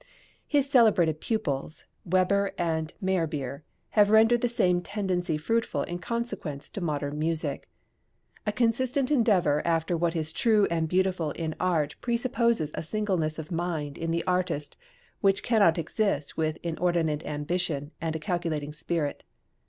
His celebrated pupils Weber and Meyerbeer have rendered the same tendency fruitful in consequences to modern music. A consistent endeavour after what is true and beautiful in art presupposes a singleness of mind in the artist which cannot exist with inordinate ambition and a calculating spirit.